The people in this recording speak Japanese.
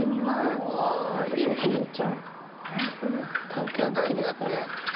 探検好きですから。